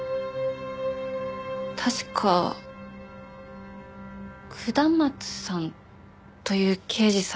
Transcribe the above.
確か下松さんという刑事さんだったかと。